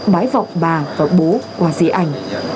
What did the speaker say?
bái vọc bà và bố qua di ảnh